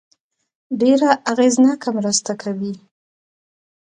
ډېره اغېزناکه مرسته کوي.